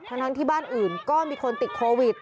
ทั้งที่บ้านอื่นก็มีคนติดโควิด